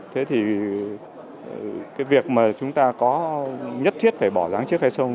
thế thì cái việc mà chúng ta có nhất thiết phải bỏ giám chức hay xong